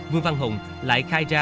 vương văn hùng lại khai ra